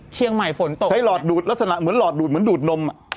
ใช้หลอดดูดรสนับเหมือนหลอดดูดเหมือนดูดนม